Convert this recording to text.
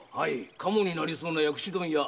カモになりそうな薬種問屋・最上屋を。